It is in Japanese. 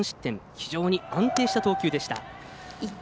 非常に安定した投球でした。